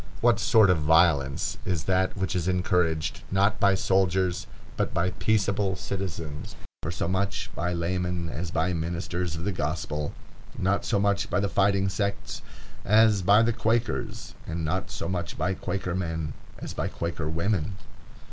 What sort of violence is that which is encouraged, not by soldiers, but by peaceable citizens, not so much by laymen as by ministers of the gospel, not so much by the fighting sects as by the Quakers, and not so much by Quaker men as by Quaker women?